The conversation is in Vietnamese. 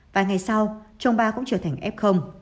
vài ngày sau chồng ba cũng trở thành f